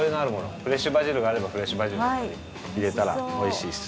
フレッシュバジルがあればフレッシュバジルをですね入れたら美味しいっす。